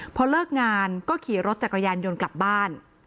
พอเลิกงานก็ขี่รถจักรยานยนต์กลับบ้าน